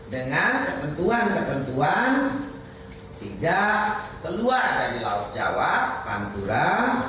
dengan ketentuan ketentuan hingga keluar dari laut jawa pantura